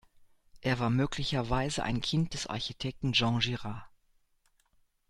Er war möglicherweise ein Kind des Architekten Jean Girard.